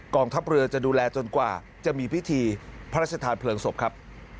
ทัพเรือจะดูแลจนกว่าจะมีพิธีพระราชทานเพลิงศพครับ